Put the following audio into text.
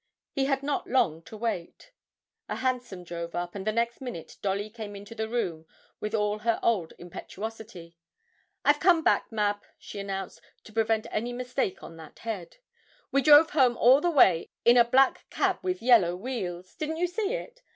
He had not long to wait. A hansom drove up, and the next minute Dolly came into the room with all her old impetuosity. 'I've come back, Mab,' she announced, to prevent any mistake on that head. 'We drove home all the way in a black cab with yellow wheels didn't you see it?